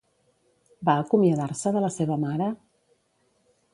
Va acomiadar-se de la seva mare?